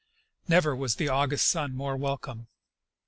Never was the August sun more welcome.